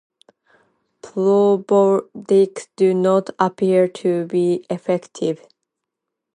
Probiotics do not appear to be effective.